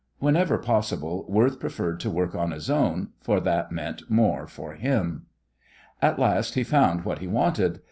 Whenever possible Worth preferred to work on his own, for that meant more for him. At last he found what he wanted.